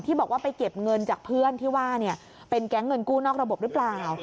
บอกว่าไปเก็บเงินจากเพื่อนที่ว่าเป็นแก๊งเงินกู้นอกระบบหรือเปล่า